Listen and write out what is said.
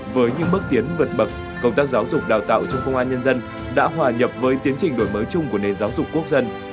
với những bước tiến vượt bậc công tác giáo dục đào tạo trong công an nhân dân đã hòa nhập với tiến trình đổi mới chung của nền giáo dục quốc dân